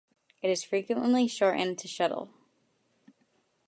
It is frequently shortened to shuttle.